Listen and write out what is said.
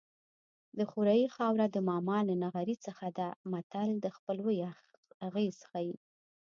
د خوریي خاوره د ماما له نغري څخه ده متل د خپلوۍ اغېز ښيي